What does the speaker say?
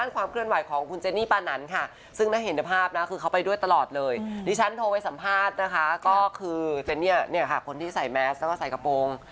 ความกดทราบนะคะก็คือเจนนี่ค่ะคนที่ใส่แมสแล้วก็ใส่กระโปรง